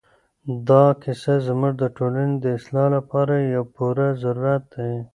دا کیسه زموږ د ټولنې د اصلاح لپاره یو پوره ضرورت دی.